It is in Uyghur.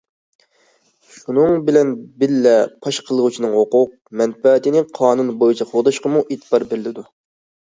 شۇنىڭ بىلەن بىللە، پاش قىلغۇچىنىڭ ھوقۇق- مەنپەئەتىنى قانۇن بويىچە قوغداشقىمۇ ئېتىبار بېرىلىدۇ.